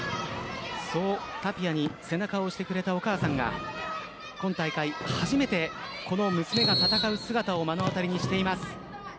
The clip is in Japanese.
そうタピアに背中を押してくれたお母さんが今大会、初めてこの娘が戦う姿を目の当たりにしています。